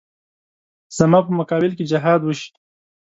زما په مقابل کې جهاد وشي.